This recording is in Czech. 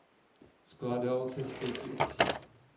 Skládal se z pěti obcí.